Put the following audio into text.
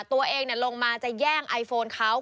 ตัวเองลงมาจะแย่งไอโฟนเขา